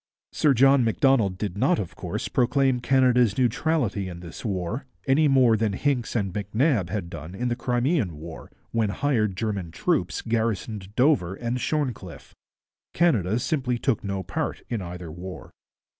Sir John Macdonald did not, of course, proclaim Canada's neutrality in this war, any more than Hincks and MacNab had done in the Crimean War, when hired German troops garrisoned Dover and Shorncliffe. Canada simply took no part in either war.